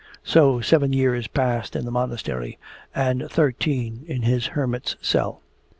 So seven years passed in the Monastery and thirteen in his hermit's cell.